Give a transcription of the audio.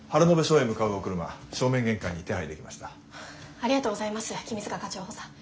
ありがとうございます君塚課長補佐。